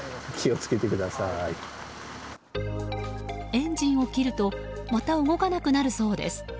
エンジンを切るとまた動かなくなるそうです。